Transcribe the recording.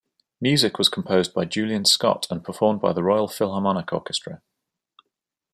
Music was composed by Julian Scott and performed by The Royal Philharmonic Orchestra.